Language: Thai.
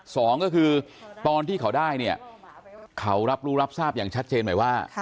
สองก็คือตอนที่เขาได้เนี่ยเขารับรู้รับทราบอย่างชัดเจนใหม่ว่า